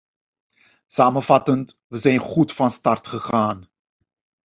Samenvattend: we zijn goed van start gegaan.